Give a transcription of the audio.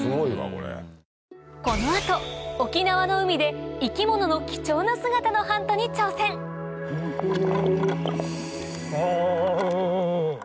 この後沖縄の海で生き物の貴重な姿のハントに挑戦かわいい！